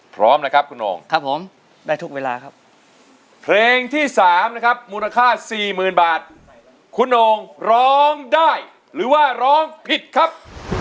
ครับคุณองค์ครับผมได้ทุกเวลาครับเพลงที่๓นะครับมูลค่า๔๐๐๐๐บาทคุณองค์ร้องได้หรือว่าร้องผิดครับ